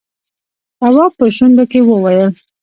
تواب په شونډو کې وويل: